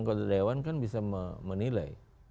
anggota dewan kan bisa menilai